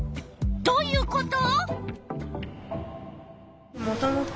どういうこと？